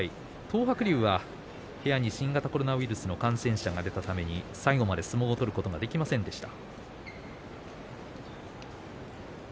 東白龍は部屋に新型コロナウイルスの感染者が出たために最後まで相撲を取ることができませんでした。